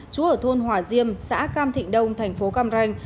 trú ở thôn hòa diêm xã cam thịnh đông thành phố cam ranh